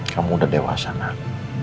kamu udah dewasa nak